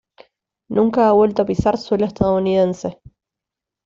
Nunca ha vuelto a pisar suelo estadounidense.